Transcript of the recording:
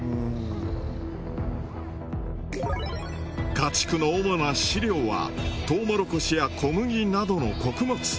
家畜の主な飼料はとうもろこしや小麦などの穀物。